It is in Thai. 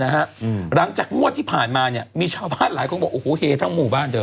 หลังจากงวดที่ผ่านมาเนี่ยมีชาวบ้านหลายคนบอกโอ้โหเฮทั้งหมู่บ้านเธอ